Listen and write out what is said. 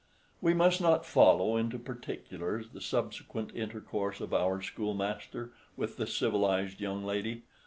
We must not follow into particulars the subsequent intercourse of our schoolmaster with the civilized young lady.